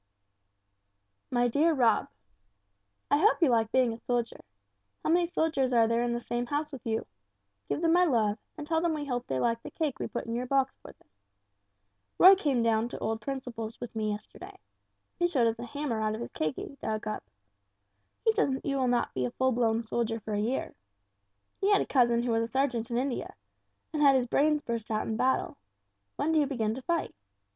"MY DEAR ROB: "I hope you like being a soldier. How many soldiers are there in the same house with you? Give them my love and tell them we hope they liked the cake we put in your box for them. Roy came down to old Principle's with me yesterday. He showed us a hammer out of his cave he dug up. He says you will not be a full blown soldier for a year. He had a cousin who was a sergeant in India and had his brains burst out in battle. When do you begin to fight?